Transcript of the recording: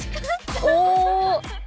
お！